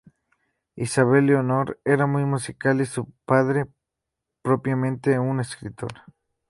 Isabel Leonor era muy musical y su padre propiamente un escritor.